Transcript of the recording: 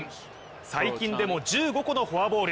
最近でも１５個のフォアボール